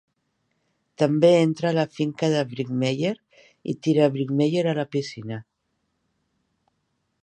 També entra a la finca de Brinkmeyer i tira Brinkmeyer a la piscina.